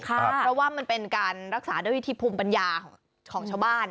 เพราะว่ามันเป็นการรักษาด้วยวิธีภูมิปัญญาของชาวบ้าน